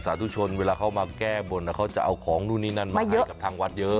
ธุชนเวลาเขามาแก้บนเขาจะเอาของนู่นนี่นั่นมาให้กับทางวัดเยอะ